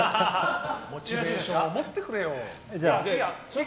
モチベーションをもってくれよ！